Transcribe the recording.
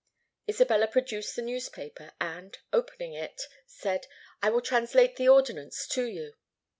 Isabella produced the newspaper, and, opening it, said, "I will translate the ordinance to you."